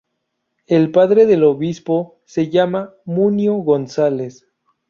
El padre del obispo se llamaba Munio González.